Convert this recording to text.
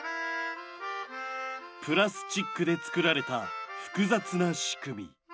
プラスチックで作られた複雑な仕組み。